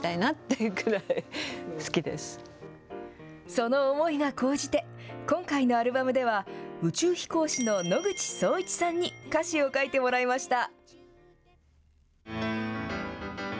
その思いが高じて、今回のアルバムでは、宇宙飛行士の野口聡一さんに歌詞を書いてもらいました。